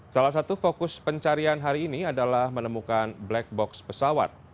salah satu fokus pencarian hari ini adalah menemukan black box pesawat